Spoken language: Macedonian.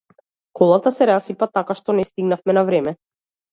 Колата се расипа така што не стигнавме на време.